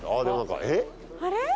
あれ？